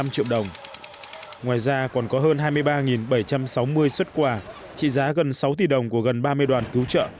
một mươi năm triệu đồng ngoài ra còn có hơn hai mươi ba bảy trăm sáu mươi xuất quà trị giá gần sáu tỷ đồng của gần ba mươi đoàn cứu trợ